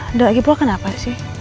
nggak gitu loh kenapa sih